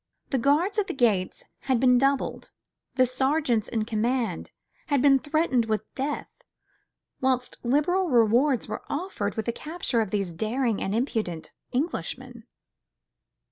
The guards at the gates had been doubled, the sergeants in command had been threatened with death, whilst liberal rewards were offered for the capture of these daring and impudent Englishmen.